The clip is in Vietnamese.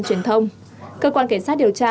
truyền thông cơ quan kẻ sát điều tra